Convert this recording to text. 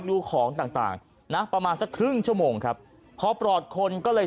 ดูของต่างต่างนะประมาณสักครึ่งชั่วโมงครับพอปลอดคนก็เลย